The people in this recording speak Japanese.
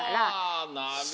あなるほど！